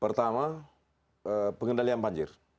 pertama pengendalian banjir